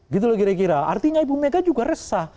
gitu loh kira kira artinya ibu mega juga resah